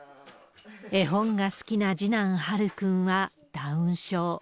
絵本が好きな次男、陽くんは、ダウン症。